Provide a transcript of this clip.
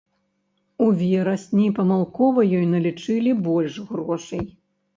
У верасні памылкова ёй налічылі больш грошай.